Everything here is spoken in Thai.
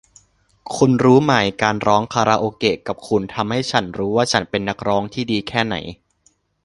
คุณรู้ไหมการร้องคาราโอเกะกับคุณทำให้ฉันรู้ว่าฉันเป็นนักร้องที่ดีแค่ไหน